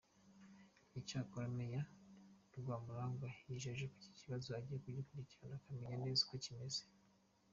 Icyakora Meya Rwamulangwa yijeje ko iki kibazo agiye kugikurikirana akamenya neza uko kimeze.